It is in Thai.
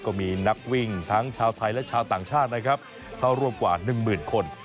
ก็มีนักวิ่งทั้งชาวไทยและชาวต่างชาตินะครับเข้าร่วมกว่าหนึ่งหมื่นคน